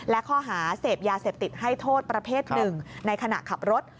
และข้อหาเสพยาเสพติดให้โทษประเภทหนึ่งในขณะขับรถ